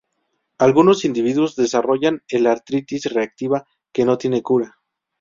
Algunos individuos desarrollarán el artritis reactiva, que no tiene cura.